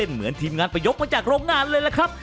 เหมือนทีมงานไปยกมาจากโรงงานเลยล่ะครับ